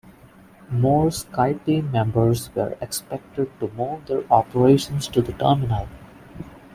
More SkyTeam members were expected to move their operations to the terminal.